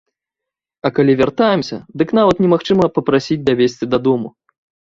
А калі вяртаемся, дык нават немагчыма папрасіць давезці дадому!